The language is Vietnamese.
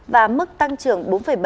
và mức tăng trưởng bốn bảy